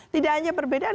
tidak hanya perbedaan